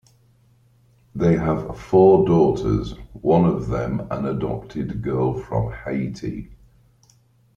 They have four daughters, one of them an adopted girl from Haiti.